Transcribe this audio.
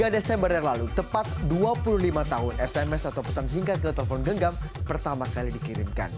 tiga desember yang lalu tepat dua puluh lima tahun sms atau pesan singkat ke telepon genggam pertama kali dikirimkan